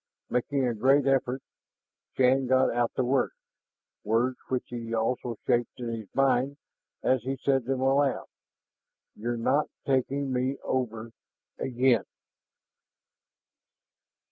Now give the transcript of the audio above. Making a great effort, Shann got out the words, words which he also shaped in his mind as he said them aloud: "You're not taking me over again!"